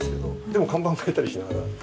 でも看板替えたりしながら。